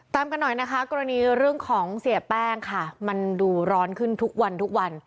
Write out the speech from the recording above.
ตามกันหน่อยนะคะกรณีเรื่องของเสียแป้งค่ะมันดูร้อนขึ้นทุกวันทุกวัน